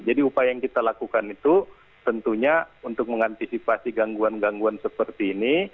jadi upaya yang kita lakukan itu tentunya untuk mengantisipasi gangguan gangguan seperti ini